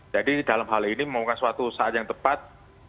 jadi dalam hal ini memungkinkan suatu saat yang tepat